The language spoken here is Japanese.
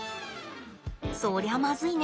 そりゃまずいね。